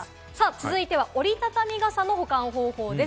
続いては折りたたみ傘の保管方法です。